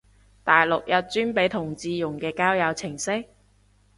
大陸有專俾同志用嘅交友程式？